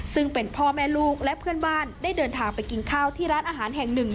ซึ่งเป็นพ่อแม่ลูกและเพื่อนบ้านได้เดินทางไปกินข้าวที่ร้านอาหารแห่งหนึ่ง